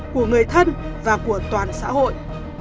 của người thân và của toàn xã hội